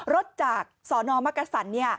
รถจากสนมกษัน